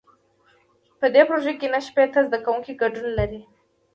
په دې پروژه کې نهه شپېته زده کوونکي ګډون لري.